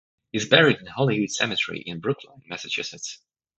He is buried in Holyhood Cemetery, in Brookline, Massachusetts.